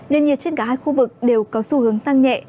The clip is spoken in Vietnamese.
nền nhiệt trên cả hai khu vực đều có xu hướng tăng nhẹ